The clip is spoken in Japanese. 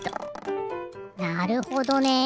なるほどね。